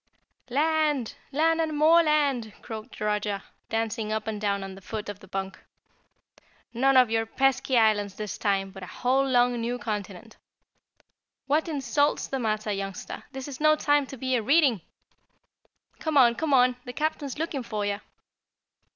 "Land! Land and MORELAND!" croaked Roger, dancing up and down on the foot of the bunk. "None of your pesky islands this time, but a whole long new continent. What in salt's the matter, youngster, this is no time to be a reading! Come on, come on, the Captain's looking for you!"